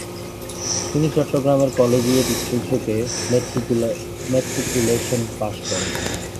তিনি Chittagong collegiate school থেকে matriculation pass করেন।